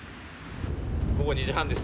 午後２時半です。